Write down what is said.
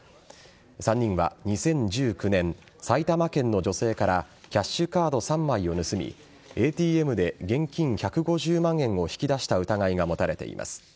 ３人は２０１９年埼玉県の女性からキャッシュカードを３枚を盗みＡＴＭで現金１５０万円を引き出した疑いが持たれています。